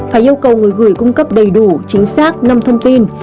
phải yêu cầu người gửi cung cấp đầy đủ chính xác năm thông tin